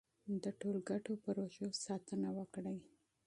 د ټولګټو پروژو ساتنه وکړئ.